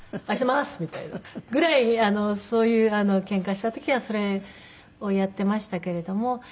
「愛してます」みたいなぐらいにそういうケンカした時はそれをやってましたけれども。